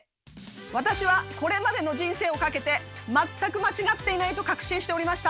私はこれまでの人生を懸けて全く間違っていないと確信しておりました。